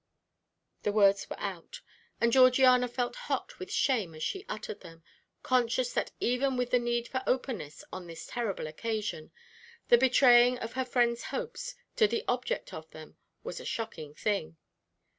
The words were out, and Georgiana felt hot with shame as she uttered them, conscious that even with the need for openness on this terrible occasion, the betraying of her friend's hopes to the object of them was a shocking thing.